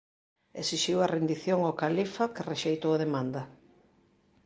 Esixiu a rendición ao califa que rexeitou a demanda.